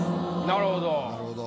なるほど。